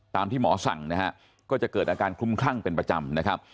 ที่หมอสั่งนะฮะก็จะเกิดอาการคลุมคลั่งเป็นประจำนะครับ